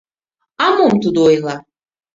— А мом тудо ойла?